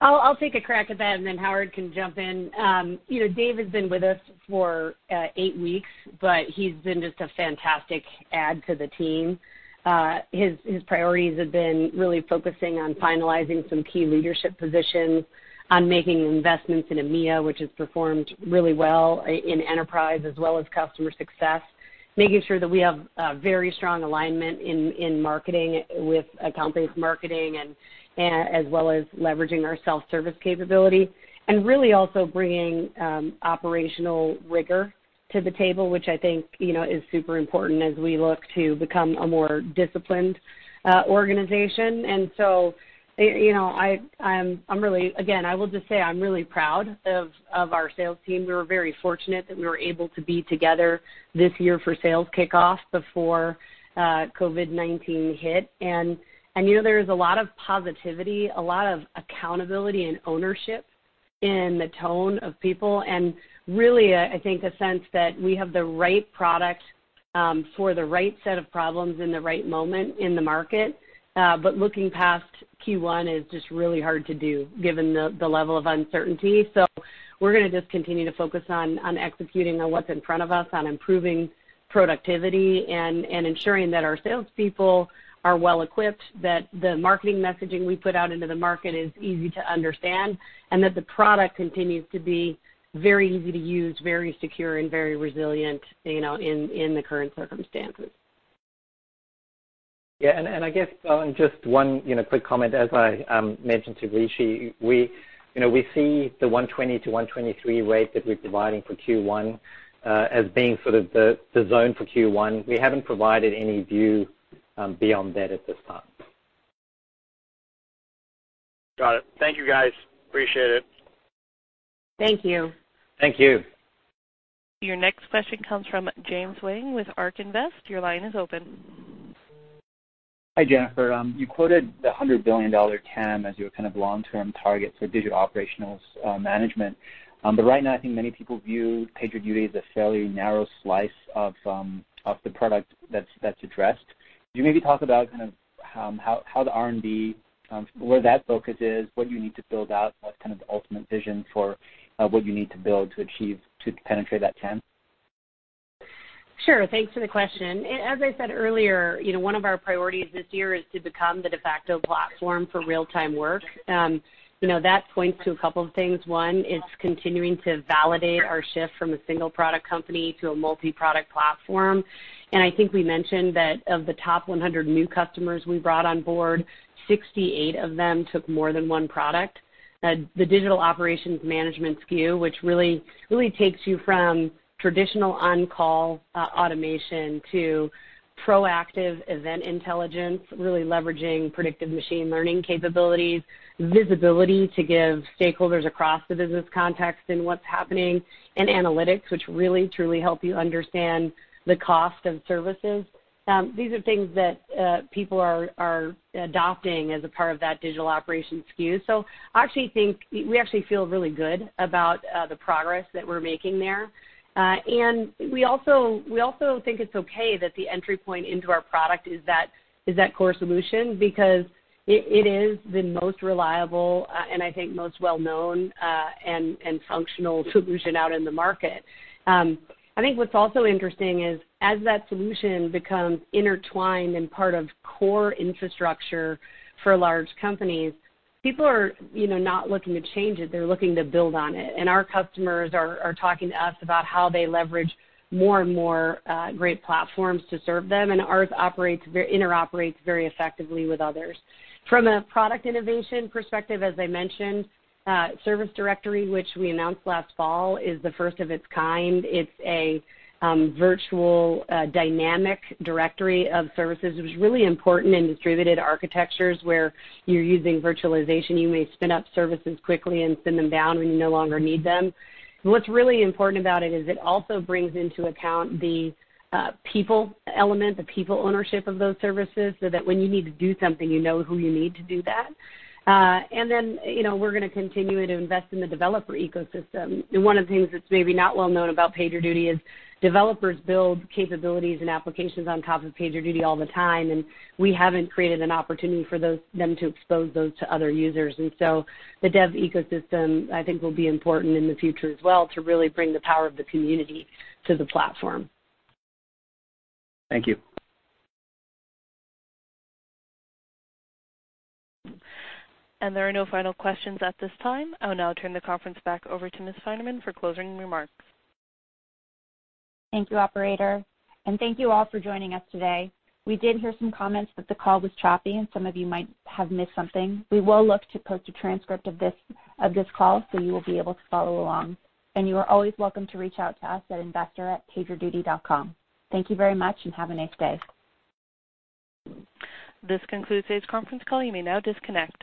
I'll take a crack at that, and then Howard can jump in. Dave has been with us for eight weeks, but he's been just a fantastic add to the team. His priorities have been really focusing on finalizing some key leadership positions on making investments in EMEA, which has performed really well in enterprise as well as customer success, making sure that we have a very strong alignment in marketing with account-based marketing, as well as leveraging our self-service capability. Really also bringing operational rigor to the table, which I think is super important as we look to become a more disciplined organization. Again, I will just say, I'm really proud of our sales team. We were very fortunate that we were able to be together this year for sales kickoff before COVID-19 hit. There is a lot of positivity, a lot of accountability and ownership in the tone of people, and really, I think a sense that we have the right product for the right set of problems in the right moment in the market. Looking past Q1 is just really hard to do given the level of uncertainty. We're going to just continue to focus on executing on what's in front of us, on improving productivity, and ensuring that our salespeople are well-equipped, that the marketing messaging we put out into the market is easy to understand, and that the product continues to be very easy to use, very secure, and very resilient in the current circumstances. Yeah. I guess just one quick comment. As I mentioned to Rishi, we see the 120-123 rate that we're providing for Q1 as being sort of the zone for Q1. We haven't provided any view beyond that at this time. Got it. Thank you, guys. Appreciate it. Thank you. Thank you. Your next question comes from James Wang with ARK Invest. Your line is open. Hi, Jennifer. You quoted the $100 billion TAM as your kind of long-term target for digital operations management. Right now, I think many people view PagerDuty as a fairly narrow slice of the product that's addressed. Could you maybe talk about kind of how the R&D, where that focus is, what you need to build out, and what's kind of the ultimate vision for what you need to build to achieve to penetrate that TAM? Sure. Thanks for the question. As I said earlier, one of our priorities this year is to become the de facto platform for real-time work. That points to a couple of things. One, it's continuing to validate our shift from a single-product company to a multi-product platform. I think we mentioned that of the top 100 new customers we brought on board, 68 of them took more than one product. The digital operations management SKU, which really takes you from traditional on-call automation to proactive Event Intelligence, really leveraging predictive machine learning capabilities, visibility to give stakeholders across the business context in what's happening, and analytics, which really, truly help you understand the cost of services. These are things that people are adopting as a part of that digital operation SKU. We actually feel really good about the progress that we're making there. We also think it's okay that the entry point into our product is that core solution because it is the most reliable, and I think most well-known and functional solution out in the market. I think what's also interesting is, as that solution becomes intertwined and part of core infrastructure for large companies, people are not looking to change it. They're looking to build on it. Our customers are talking to us about how they leverage more and more great platforms to serve them, and ours interoperates very effectively with others. From a product innovation perspective, as I mentioned, Service Directory, which we announced last fall, is the first of its kind. It's a virtual dynamic directory of services, which is really important in distributed architectures where you're using virtualization. You may spin up services quickly and spin them down when you no longer need them. What's really important about it is it also brings into account the people element, the people ownership of those services, so that when you need to do something, you know who you need to do that. Then, we're going to continue to invest in the developer ecosystem. One of the things that's maybe not well known about PagerDuty is developers build capabilities and applications on top of PagerDuty all the time, and we haven't created an opportunity for them to expose those to other users. So the dev ecosystem, I think will be important in the future as well to really bring the power of the community to the platform. Thank you. There are no final questions at this time. I will now turn the conference back over to Ms. Finerman for closing remarks. Thank you, operator. Thank you all for joining us today. We did hear some comments that the call was choppy, and some of you might have missed something. We will look to post a transcript of this call so you will be able to follow along. You are always welcome to reach out to us at investor@pagerduty.com. Thank you very much, and have a nice day. This concludes today's conference call. You may now disconnect.